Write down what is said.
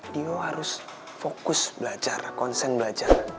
dia harus fokus belajar konsen belajar